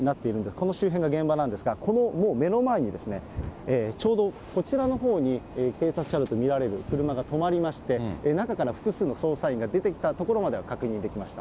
この周辺が現場なんですが、この目の前に、ちょうどこちらのほうに警察車両と見られる車が止まりまして、中から複数の捜査員が出てきたところまでは確認できました。